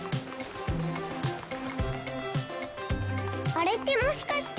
あれってもしかして。